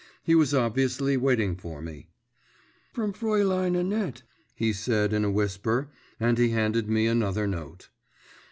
He was obviously waiting for me. 'From Fraülein Annette,' he said in a whisper, and he handed me another note.